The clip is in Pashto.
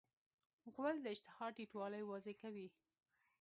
غول د اشتها ټیټوالی واضح کوي.